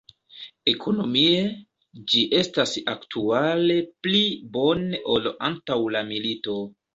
Ekonomie, ĝi estas aktuale pli bone ol antaŭ la milito.